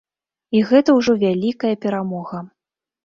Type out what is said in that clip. І гэта ўжо вялікая перамога!